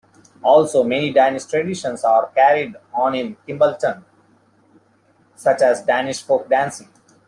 Also, many Danish traditions are carried on in Kimballton, such as Danish Folk Dancing.